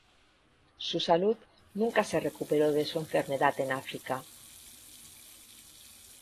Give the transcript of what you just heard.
Su salud nunca se recuperó de su enfermedad en África.